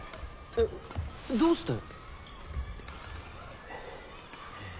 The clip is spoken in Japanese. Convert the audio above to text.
えどうして？